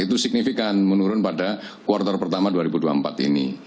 itu signifikan menurun pada kuartal pertama dua ribu dua puluh empat ini